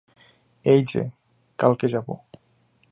এই যে, কালকে যাব।